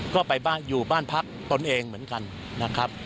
ก็ไปอยู่บ้านพักตนเองเหมือนกันนะครับ